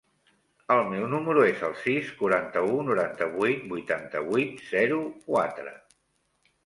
El meu número es el sis, quaranta-u, noranta-vuit, vuitanta-vuit, zero, quatre.